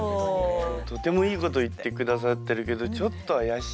とてもいいこと言ってくださってるけどちょっと怪しい。